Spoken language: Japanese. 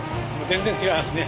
全然違いますね。